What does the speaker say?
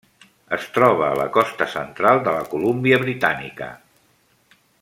Es troba a la costa central de la Colúmbia Britànica.